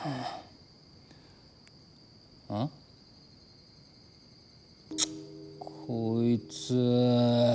あ？こいつ！